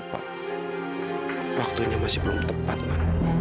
kamu punya anak anak itu